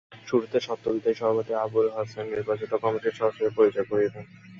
শুরুতে সদ্যবিদায়ী সভাপতি আবুল হোসেন নবনির্বাচিত কমিটির সদস্যদের পরিচয় করিয়ে দেন।